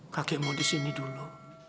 kakek mau disini dulu